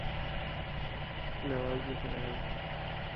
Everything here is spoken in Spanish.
Lavalle, Gral.